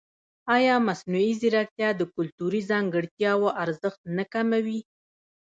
ایا مصنوعي ځیرکتیا د کلتوري ځانګړتیاوو ارزښت نه کموي؟